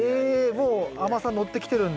もう甘さのってきてるんだ。